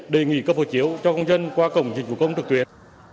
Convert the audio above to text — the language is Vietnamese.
đề nghị cấp hồ chiếu cho công dân qua cổng dịch vụ công trực tuyến